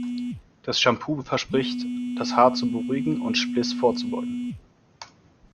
Das Shampoo verspricht das Haar zu beruhigen und Spliss vorzubeugen.